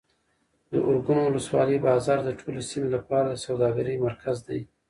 د ارګون ولسوالۍ بازار د ټولې سیمې لپاره د سوداګرۍ مرکز دی.